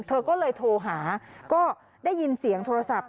เธอก็เลยโทรหาก็ได้ยินเสียงโทรศัพท์